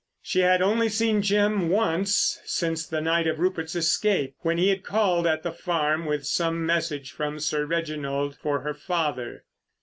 She had only seen Jim once since the night of Rupert's escape, when he had called at the farm with some message from Sir Reginald for her father.